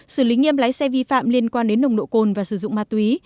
xử lý nghiêm lái xe vi phạm liên quan đến nồng độ cồn và sử dụng ma túy